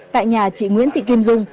tại nhà chị nguyễn thị kim dung